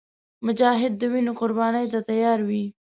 مجاهد د وینو قرباني ته تیار وي.